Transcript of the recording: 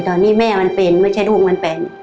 ตอนนี้แม่มันเป็นไอ้ลูกหมาเป็น